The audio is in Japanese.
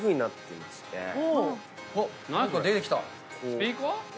スピーカー？